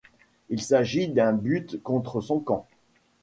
Il s'agit d'un but contre son camp.